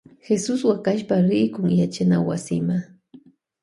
Jesus wakashpa rikun yachana wasima.